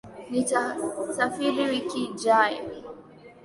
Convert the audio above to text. Nitasafiri wiki ijayo